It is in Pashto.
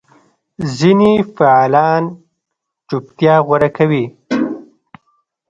ځینې فعالان چوپتیا غوره کوي.